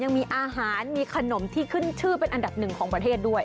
ยังมีอาหารมีขนมที่ขึ้นชื่อเป็นอันดับหนึ่งของประเทศด้วย